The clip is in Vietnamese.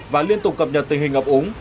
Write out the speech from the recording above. và liên tục cập nhật tình hình ngập ống